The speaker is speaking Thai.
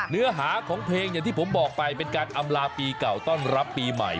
เนื้อหาของเพลงอย่างที่ผมบอกไปเป็นการอำลาปีเก่าต้อนรับปีใหม่